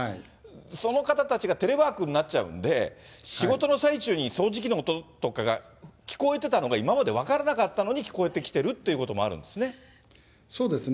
その方たちがテレワークになっちゃうんで、仕事の最中に掃除機の音とかが聞こえてたのが今まで分からなかったのに、聞こえてきてるっていうのもあるんですね。